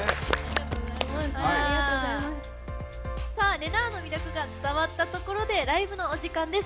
れなぁの魅力が伝わったところでライブのお時間です。